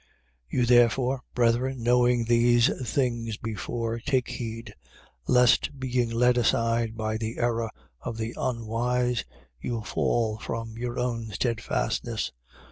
3:17. You therefore, brethren, knowing these things before, take heed, lest being led aside by the error of the unwise, you fall from your own steadfastness.